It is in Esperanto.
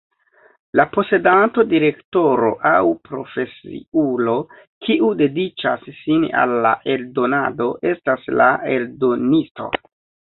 La posedanto, direktoro aŭ profesiulo, kiu dediĉas sin al la eldonado estas la eldonisto.